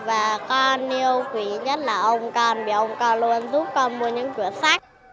và con yêu quý nhất là ông con vì ông con luôn giúp con mua những cuốn sách